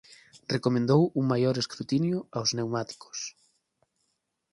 Recomendou un maior escrutinio aos pneumáticos.